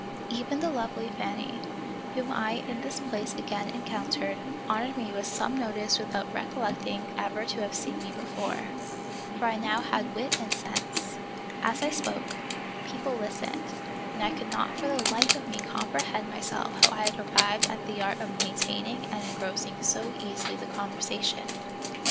Even the lovely Fanny, whom I in this place again encountered, honored me with some notice without recollecting ever to have seen me before ; for I now had wit and sense. As I spoke, people listened, and I could not for the life of me com prehend myself how I had arrived at the art of maintaining and engrossing so easily the con versation.